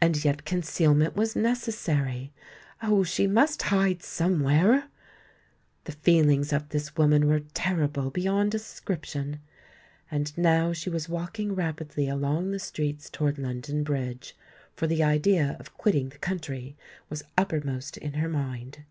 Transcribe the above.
And yet concealment was necessary—oh! she must hide somewhere! The feelings of this woman were terrible beyond description. And now she was walking rapidly along the streets towards London Bridge; for the idea of quitting the country was uppermost in her mind.